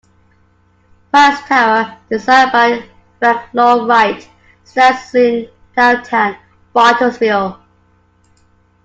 Price Tower, designed by Frank Lloyd Wright, stands in downtown Bartlesville.